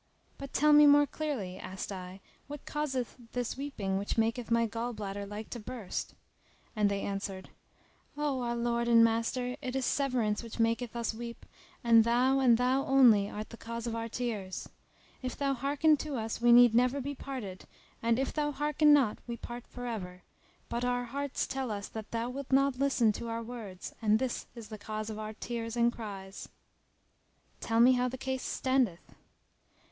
"But tell me more clearly," asked I, "what causeth this weeping which maketh my gall bladder[FN#291] like to burst;" and they answered, "O our lord and master, it is severance which maketh us weep; and thou, and thou only, art the cause of our tears. If thou hearken to us we need never be parted and if thou hearken not we part for ever; but our hearts tell us that thou wilt not listen to our words and this is the cause of our tears and cries." "Tell me how the case standeth?"